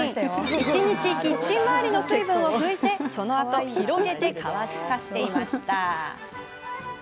一日キッチン周りの水分を拭いてそのあと広げて乾かしていました。